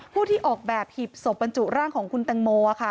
ผู้ที่ออกแบบหีบศพบรรจุร่างของคุณแตงโมค่ะ